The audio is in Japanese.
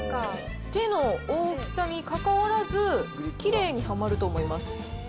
手の大きさに関わらず、きれいにはまると思います。